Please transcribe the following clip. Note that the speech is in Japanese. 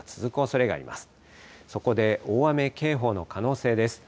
そこで、大雨警報の可能性です。